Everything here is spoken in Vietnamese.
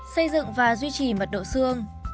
xây dựng và duy trì mật độ xương